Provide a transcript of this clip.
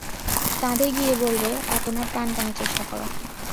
তাঁদের গিয়ে বলবে আর তোমরা প্রাণপণে চেষ্টা কর।